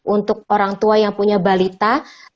untuk orang tua yang punya balita